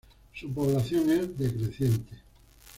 Su población es decreciente.